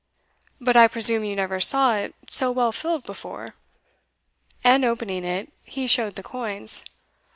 but I presume you never saw it so well filled before" and opening it, he showed the coins.